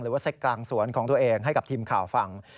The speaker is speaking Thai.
เซ็กกลางสวนของตัวเองให้กับทีมข่าวฟัง